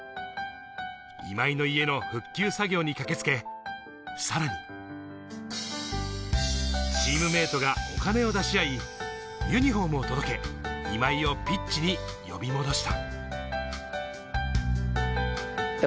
今井の家の復旧作業に駆けつけ、さらにチームメートがお金を出し合い、ユニホームを届け、今井をピッチに呼び戻した。